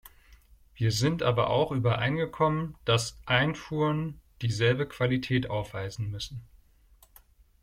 Wir sind aber auch übereingekommen, dass Einfuhren dieselbe Qualität aufweisen müssen.